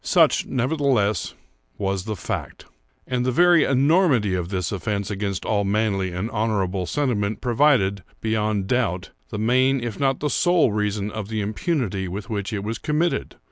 Such, nevertheless, was the fact. And the very enormity of this offence against all manly and honourable sentiment proved, beyond doubt, the main if not the sole reason of the impunity with which it was committed.